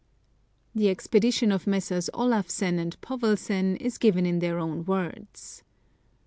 The expedition of Messrs. Olafsen and Povelsen is given in their own words.